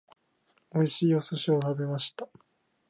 美味しいお寿司を食べました。